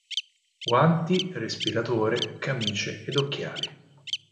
Guanti, respiratore, camice ed occhiali.